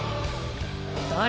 誰？